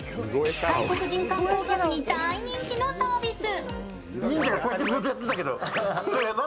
外国人観光客に大人気のサービス。